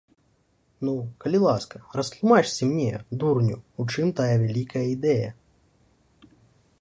Ну, калі ласка, растлумачце, мне, дурню, у чым тая вялікая ідэя.